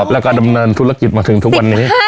แล้วก็ดำเนินธุรกิจมาถึงทุกวันนี้